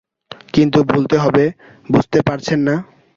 কিন্তু ভুলতে হবে, বুঝতে পারছেন না?